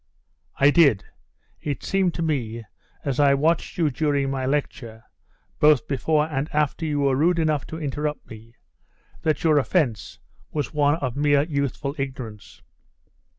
'I did. It seemed to me, as I watched you during my lecture, both before and after you were rude enough to interrupt me, that your offence was one of mere youthful ignorance.